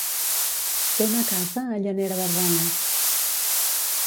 Té una casa a Llanera de Ranes.